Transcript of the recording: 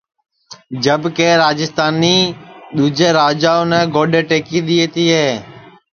جب کہ راجیستانی دؔوجے راجاونے گودؔے ٹئکی دؔیئے تیے